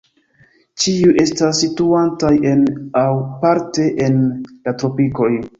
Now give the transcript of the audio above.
Ĉiuj estas situantaj en, aŭ parte en, la tropikoj.